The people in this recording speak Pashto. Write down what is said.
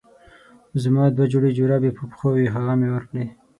زما دوه جوړه جرابې په پښو وې هغه مې ورکړې.